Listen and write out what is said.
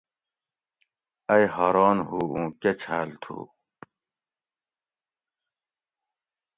ائی حاران ہُو اُو کہ چھاۤل تُھو؟